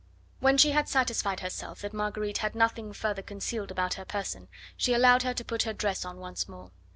When she had satisfied herself that Marguerite had nothing further concealed about her person, she allowed her to put her dress on once more.